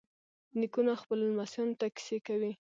نیکونه خپلو لمسیانو ته کیسې کوي.